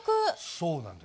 そうなんです。